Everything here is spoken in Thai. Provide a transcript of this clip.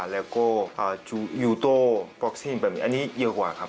แล้วก็ยูโต้ปลอคซีนอันนี้เยอะกว่าครับ